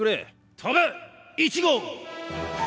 飛べ１号！